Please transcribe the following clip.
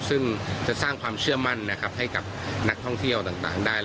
ซึ่งจะสร้างความเชื่อมั่นให้กับนักท่องเที่ยวต่างได้